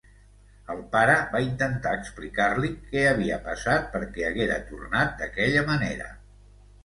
El pare va intentar explicar-li què havia passat perquè haguera tornat d'aquella manera.